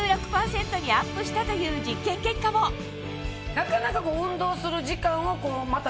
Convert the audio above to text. なかなか。